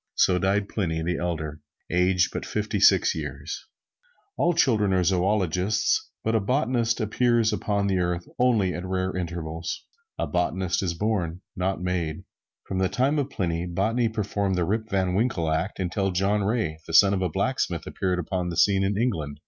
So died Pliny the Elder, aged but fifty six years. All children are zoologists, but a botanist appears upon the earth only at rare intervals. A Botanist is born not made. From the time of Pliny, botany performed the Rip Van Winkle act until John Ray, the son of a blacksmith, appeared upon the scene in England.